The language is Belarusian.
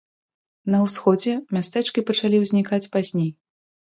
На ўсходзе мястэчкі пачалі ўзнікаць пазней.